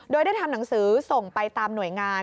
โดยได้ทำหนังสือส่งไปตามหน่วยงาน